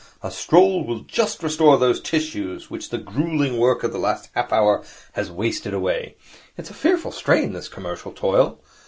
A stroll will just restore those tissues which the gruelling work of the last half hour has wasted away. It is a fearful strain, this commercial toil.